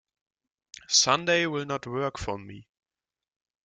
Sunday will not work for me.